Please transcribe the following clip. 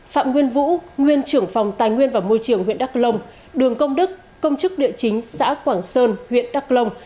phạm nguyên vũ nguyên trưởng phòng tài nguyên và môi trường huyện đắk lông đường công đức công chức địa chính xã quảng sơn huyện đắk lông